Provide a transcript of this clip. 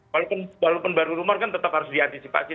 walaupun baru rumor kan tetap harus diantisipasi